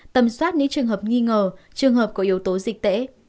tầm soát những trường hợp nghi ngờ trường hợp có yếu tố dịch tễ